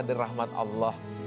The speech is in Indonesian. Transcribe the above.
dengan rahmat allah